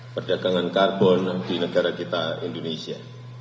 perdagangan karbon di negara kita indonesia